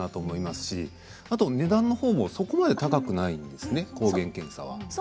あと値段もそこまで高くないんだよね、抗原検査は。